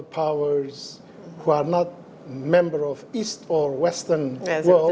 yang bukan memberi dari dunia utara atau barat